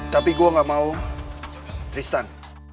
tapi gue gak mau ristan